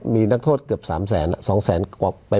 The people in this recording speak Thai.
มีนักโทษเกือบสามแสนสองแสนกว่า